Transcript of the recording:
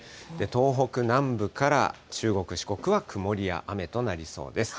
東北南部から中国、四国は曇りや雨となりそうです。